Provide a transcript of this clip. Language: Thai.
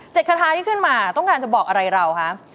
คาทาที่ขึ้นมาต้องการจะบอกอะไรเราคะ